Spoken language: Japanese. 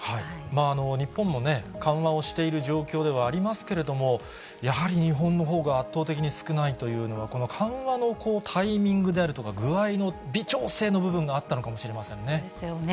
日本もね、緩和をしている状況ではありますけれども、やはり日本のほうが圧倒的に少ないというのは、この緩和のタイミングであるとか、具合の微調整の部分があったのかもしれませんね。ですよね。